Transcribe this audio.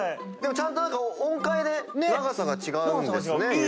でもちゃんと音階で長さが違うんですね